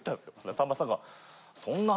さんまさんが。